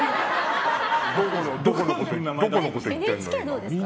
どこのこと言ってるのよ。